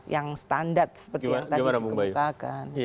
yang standar seperti yang tadi dikemukakan